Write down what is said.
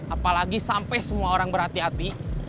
apalagi sampai semua orang berhati hati